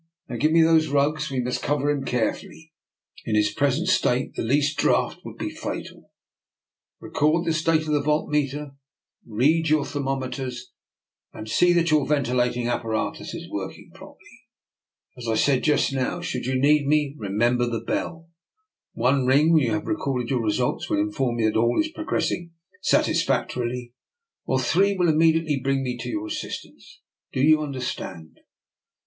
Now give me those rugs; we must cover him carefully. In his present state the least draught would be fatal. Record the state of the volt meter, read your thermometers, and see that your ventilating apparatus is work 13 190 DR. NIKOLA'S EXPERIMENT. ing properly. As I said just now, should you need me, remember the bell. One ring, when you have recorded your results, will inform me that all is progressing satisfactorily, while three will immediately bring me to your as sistance. Do you understand?